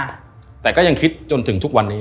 นี่น่ารักทางคิดจนถึงทุกวันนี้